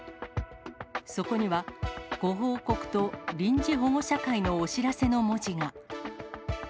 そこには、ご報告と臨時保護者会のお知らせの文字が。